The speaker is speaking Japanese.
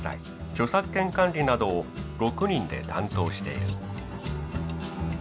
著作権管理などを６人で担当している。